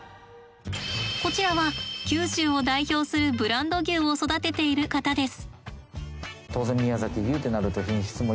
こちらは九州を代表するブランド牛を育てている方です。